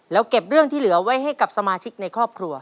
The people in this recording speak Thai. แล้วเก็บเรื่องที่เหลือไว้ให้กับสมาชิกในครอบครัว